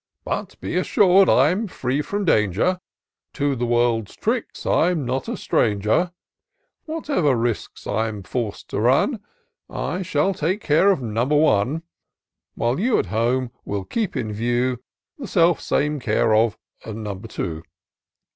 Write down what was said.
But be assur'd I'm free from danger ; To the world's tricks I'm not a stranger : Whatever risks I'm forc'd to run, I shall take care of number one ; While you, at home, wiU keep in view The self same care of number two.